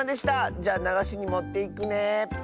じゃあながしにもっていくね。